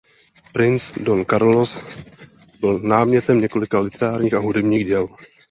Princ Don Carlos byl námětem několika literárních a hudebních děl.